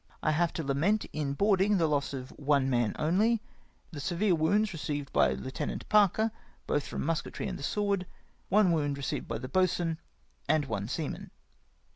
I have to lament, in boarding, the loss of one man only ; the severe wounds re ceived by Lieut. Parker, both from musketry and the sword, one wound received by the boatswain, and one seaman.